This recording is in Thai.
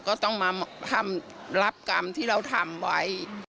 ก็ต้องมาทำรับกรรมที่เราทำไว้